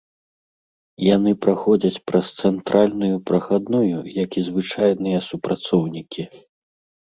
Яны праходзяць праз цэнтральную прахадную, як і звычайныя супрацоўнікі.